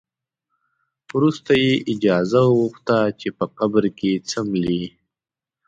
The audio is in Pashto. وروسته یې اجازه وغوښته چې په قبر کې څملي.